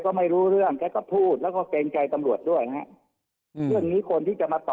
แกจะไม่รู้เรื่องแกก็พูดแล้วก็เกงใจตำรวจด้วยนะฮะ